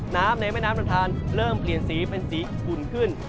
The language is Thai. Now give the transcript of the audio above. ในแม่น้ำลำทานเริ่มเปลี่ยนสีเป็นสีอุ่นขึ้น